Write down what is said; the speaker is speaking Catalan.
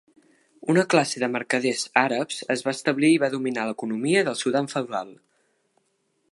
Una classe de mercaders àrabs es va establir i va dominar l'economia del Sudan feudal.